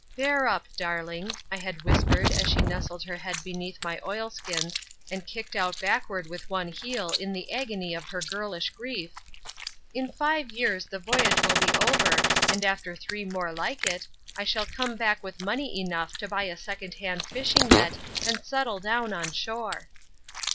"Bear up, darling," I had whispered as she nestled her head beneath my oilskins and kicked out backward with one heel in the agony of her girlish grief, "in five years the voyage will be over, and after three more like it, I shall come back with money enough to buy a second hand fishing net and settle down on shore."